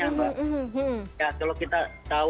ya kalau kita tahu itu skor besarnya atau head to head mereka tuh